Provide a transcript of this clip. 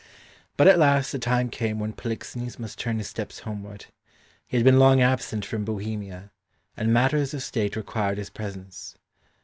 But at last the time came when Polixenes must turn his steps homeward; he had been long absent from Bohemia, and matters of state required his presence.